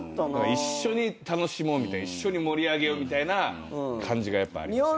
一緒に楽しもう一緒に盛り上げようみたいな感じがやっぱありましたね。